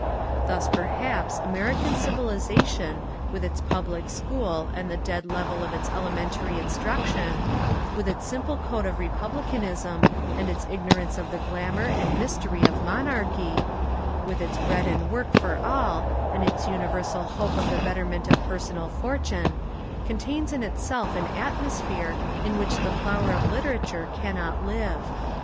Thus perhaps American civilisation with its public school and the dead level of its elementary instruction, with its simple code of republicanism and its ignorance of the glamour and mystery of mon archy, with its bread and work for all and its universal hope of the betterment of per sonal fortune, contains in itself an atmosphere in which the flower of literature cannot live.